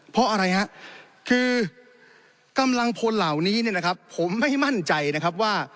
เพราะอะไรฮะคือกำลังพลเหล่านี้เนี่ยนะครับผมไม่มั่นใจนะครับว่า